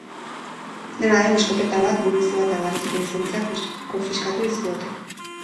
Dena den, eskopeta bat, munizioa eta beharrezko lizentziak konfiskatu dizkiote.